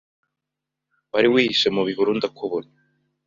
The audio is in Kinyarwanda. wari wihishe mubihuru ndakubona